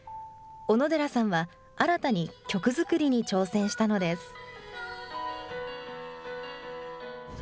小野寺さんは、新たに曲作りに挑戦したのです。